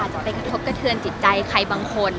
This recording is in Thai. จะไปกระทบกระเทือนจิตใจใครบางคน